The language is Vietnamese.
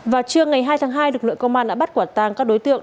vào trưa ngày hai tháng hai lực lượng công an đã bắt quả tang các đối tượng